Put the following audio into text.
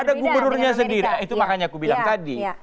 ada gubernurnya sendiri itu makanya aku bilang tadi